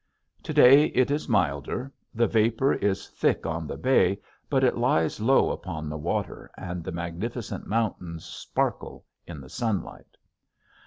To day it is milder. The vapor is thick on the bay but it lies low upon the water and the magnificent mountains sparkle in the sunlight.